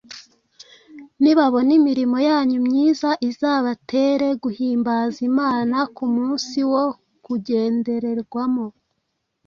nibabona imirimo yanyu myiza, izabatere guhimbaza imana ku munsi wo kugendererwamo.